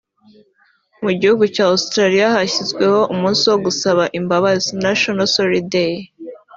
Mu gihugu cya Australia hashyizweho umunsi wo gusaba imbabazi (National Sorry Day)